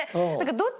どっち？